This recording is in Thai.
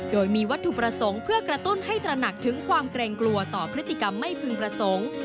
โดยมีวัตถุประสงค์เพื่อกระตุ้นให้ตระหนักถึงความเกรงกลัวต่อพฤติกรรมไม่พึงประสงค์